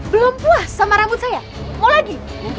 belum puas sama rambut saya mau lagi